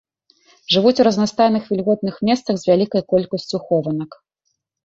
Жывуць у разнастайных вільготных месцах з вялікай колькасцю хованак.